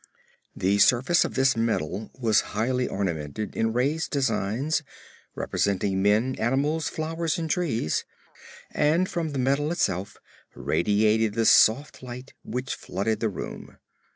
The surface of this metal was highly ornamented in raised designs representing men, animals, flowers and trees, and from the metal itself was radiated the soft light which flooded the room.